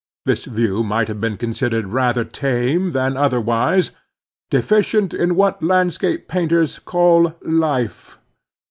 This view might have been considered rather tame than otherwise, deficient in what landscape painters call "life."